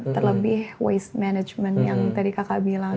terlebih waste management yang tadi kakak bilang